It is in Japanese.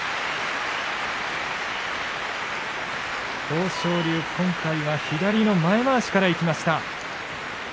豊昇龍、今回は左の前まわしからいきました。